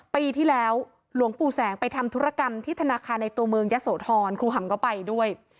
ปีที่แล้วหลวงปู่แสงไปทำธุรกรรมที่ธนาคารในตัวเมืองยะโสธรครูหำก็ไปด้วย